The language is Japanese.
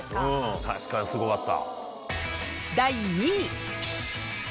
確かにすごかった。